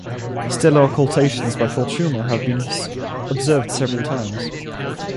Stellar occultations by Fortuna have been observed several times.